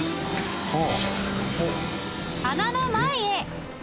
花の前へ